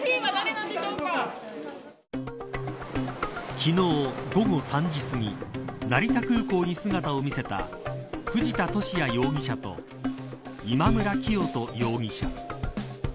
昨日、午後３時すぎ成田空港に姿を見せた藤田聖也容疑者と今村磨人容疑者。